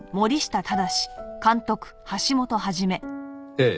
ええ。